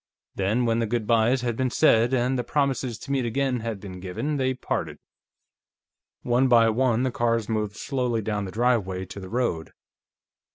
Then, when the good by's had been said, and the promises to meet again had been given, they parted. One by one the cars moved slowly down the driveway to the road.